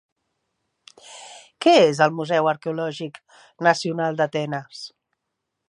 Què és el Museu Arqueològic Nacional d'Atenes?